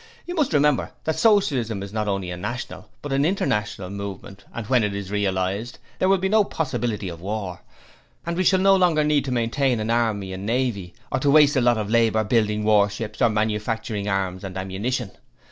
You must remember that Socialism is not only a national, but an international movement and when it is realized, there will be no possibility of war, and we shall no longer need to maintain an army and navy, or to waste a lot of labour building warships or manufacturing arms and ammunition.